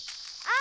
あ！